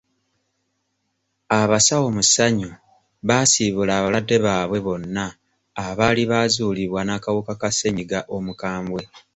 Abasawo mu ssanyu baasiibula abalwadde baabwe bonna abaali baazuulibwa n'akawuka ka ssennyiga omukambwe.